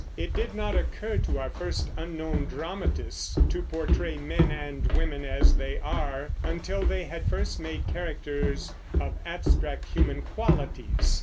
It did not occur to our first, unknown dramatists to portray men and women as they are until they had first made characters of abstract human qualities.